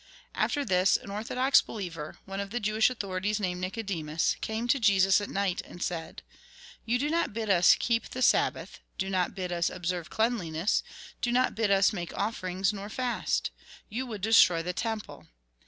After this, an orthodox believer, one of the Jewish authorities, named Nicodemus, came to Jesus at night, and said :" You do not bid us keep the Sabbath, do not bid us observe cleanliness, do not bid us make offerings, nor fast ; you would destroy the temple.